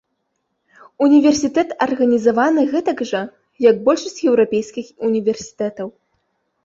Універсітэт арганізаваны гэтак жа, як большасць еўрапейскіх універсітэтаў.